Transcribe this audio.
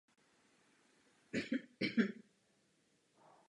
Tento návrh je v rozporu se zásadou subsidiarity.